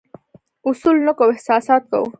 اصول نه کوو، احساسات کوو.